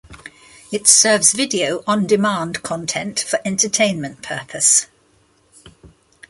It serves video on demand content for entertainment purpose.